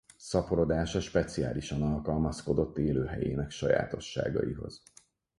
Szaporodása speciálisan alkalmazkodott élőhelyének sajátosságaihoz.